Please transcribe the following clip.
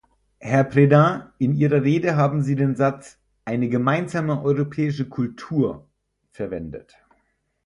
Herr Preda, in Ihrer Rede haben Sie den Satz "eine gemeinsame europäische Kultur" verwendet.